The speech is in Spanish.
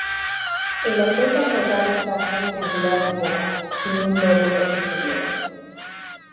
El aleta caudal es baja y triangular un poco, sin un lóbulo inferior.